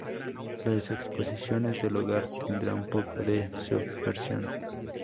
Las exposiciones del hogar tendrá un punto de subversión.